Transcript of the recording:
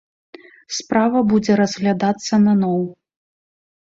Справа будзе разглядацца наноў.